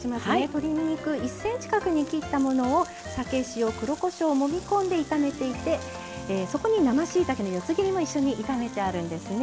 鶏肉１ｃｍ角に切ったものを酒塩黒こしょうをもみこんで炒めていてそこに生しいたけの四つ切りも一緒に炒めてあるんですね。